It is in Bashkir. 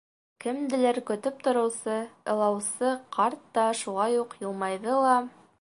Кемделер көтөп тороусы ылаусы ҡарт та шулай уҡ йылмайҙы ла: